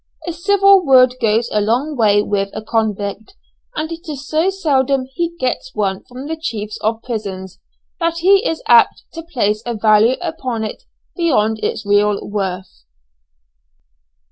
A civil word goes a long way with a convict, and it is so seldom he gets one from the chiefs of prisons that he is apt to place a value upon it beyond its real worth.